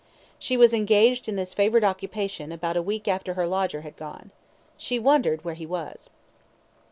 She was engaged in this favourite occupation about a week after her lodger had gone. She wondered where he was.